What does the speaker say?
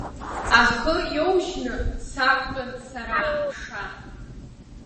Ахы иоужьны сақәтәан сара аԥша.